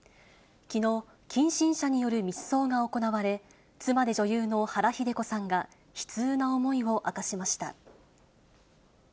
きのう、近親者による密葬が行われ、妻で女優の原日出子さんが、悲痛な思いを明かしました。